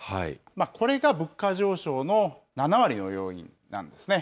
これが物価上昇の７割の要因なんですね。